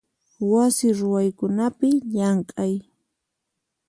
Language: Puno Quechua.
Wasi ruwaykunapi llamk'ay.